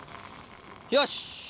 よし！